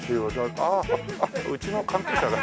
ああうちの関係者だ。